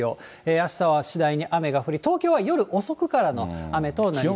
あしたは次第に雨が降り、東京は夜遅くからの雨となりそうです。